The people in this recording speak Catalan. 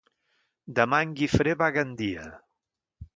Demà en Guifré va a Gandia.